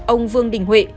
ông vương đình huệ